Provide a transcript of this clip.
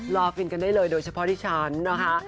รอฟินกันได้เลยโดยเฉพาะดิฉันนะคะ